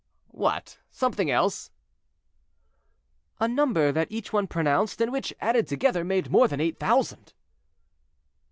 "What! something else?" "A number that each one pronounced, and which, added together, made more than eight thousand."